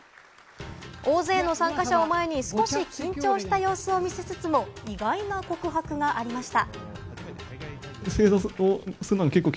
大勢の参加者を前に少し緊張した様子を見せつつも、意外な告白がありました。